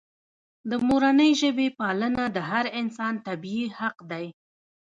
د مورنۍ ژبې پالنه د هر انسان طبیعي حق دی.